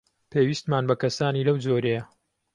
پێویستمان بە کەسانی لەو جۆرەیە.